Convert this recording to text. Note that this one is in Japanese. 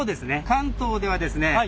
関東ではですね